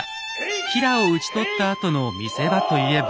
吉良を討ち取ったあとの見せ場と言えば。